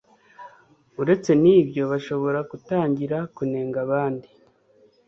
uretse n'ibyo, bashobora gutangira kunenga abandi